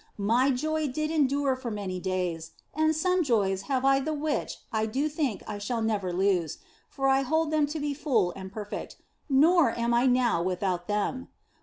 My joy OF FOLIGNO 29 did endure for many days, and some joys have I the which I do think I shall never lose, for I hold them to be full and perfect, nor am I now without them.